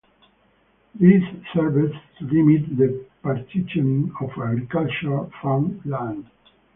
This serves to limit the partitioning of agricultural farm land.